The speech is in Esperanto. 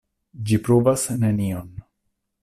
Ĝi pruvas nenion.